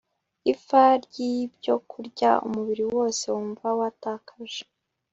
ipfa ryibyokurya Umubiri wose wumva watakaje